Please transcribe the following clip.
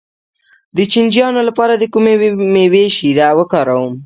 د چینجیانو لپاره د کومې میوې شیره وکاروم؟